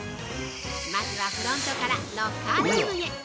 まずは、フロントからロッカールームへ。